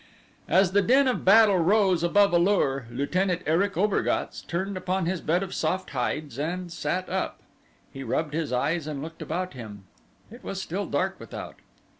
As the din of battle rose above A lur, Lieutenant Erich Obergatz turned upon his bed of soft hides and sat up. He rubbed his eyes and looked about him. It was still dark without.